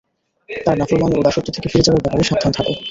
তাঁর নাফরমানী ও দাসত্ব থেকে ফিরে যাওয়ার ব্যাপারে সাবধান থাক।